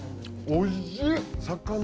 おいしい！